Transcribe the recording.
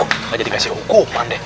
udah dikasih hukuman deh